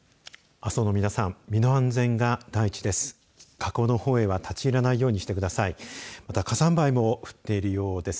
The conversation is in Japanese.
阿蘇の皆さん身の安全が第一です。